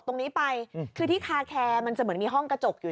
ตรงนี้ไปคือที่คาแคร์มันจะเหมือนมีห้องกระจกอยู่